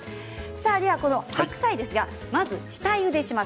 白菜は、まず下ゆでします。